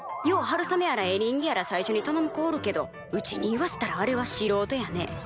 よう春雨やらエリンギやら最初にたのむ子おるけどうちに言わせたらあれはしろうとやね。